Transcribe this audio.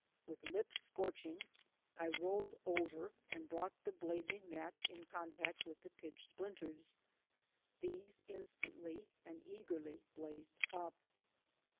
With lips scorching, I rolled over and brought the blazing match in con tact with the pitch splinters. These instantly and eagerly blazed up.